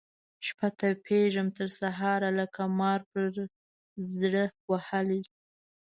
شپه تپېږم تر سهاره لکه مار پر زړه وهلی